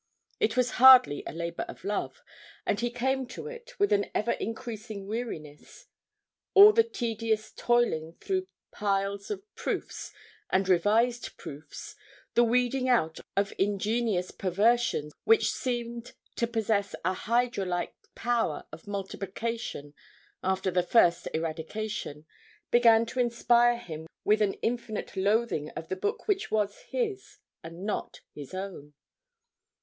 It was hardly a labour of love, and he came to it with an ever increasing weariness; all the tedious toiling through piles of proofs and revised proofs, the weeding out of ingenious perversions which seemed to possess a hydra like power of multiplication after the first eradication, began to inspire him with an infinite loathing of this book which was his and not his own.